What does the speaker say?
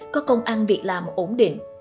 có công ăn việc làm ổn định